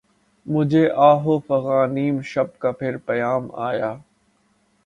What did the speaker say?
مجھے آہ و فغان نیم شب کا پھر پیام آیا